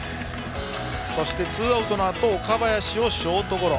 そしてツーアウトのあと岡林をショートゴロ。